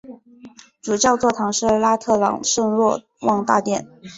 主教座堂是拉特朗圣若望大殿。